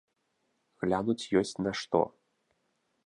Глянуць ёсць на што.